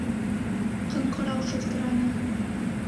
Ҡыңғырау шылтыраны.